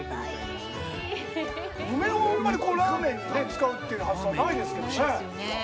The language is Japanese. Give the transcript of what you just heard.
梅をあんまりラーメンに使うという発想はないですけどねぇ。